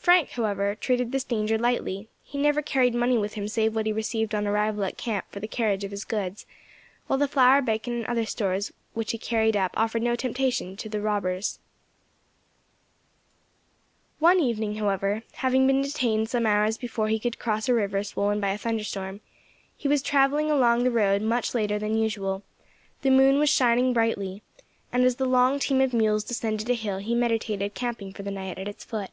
Frank, however, treated this danger lightly; he never carried money with him save what he received on arrival at camp for the carriage of his goods, while the flour, bacon, and other stores which he carried up offered no temptation to the robbers. [Illustration: THE ATTACK ON THE GOLD ESCORT.] One evening, however, having been detained some hours before he could cross a river swollen by a thunderstorm, he was travelling along the road much later than usual; the moon was shining brightly, and as the long team of mules descended a hill he meditated camping for the night at its foot.